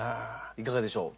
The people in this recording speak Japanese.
いかがでしょう？